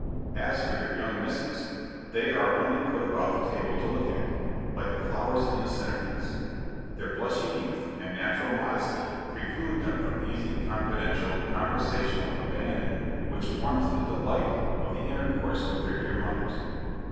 As for your young misses, they are only put about the table to look at like the flowers in the centre piece. Their blushing youth and natural modesty preclude them from easy, confidential, conversational ABANDON which forms the delight of the intercourse with their dear mothers.